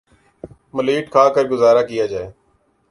millet کھا کر گزارہ کیا جائے